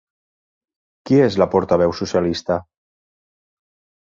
Qui és la portaveu socialista?